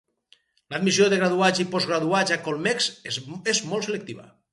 L'admissió de graduats i postgraduats a Colmex és molt selectiva.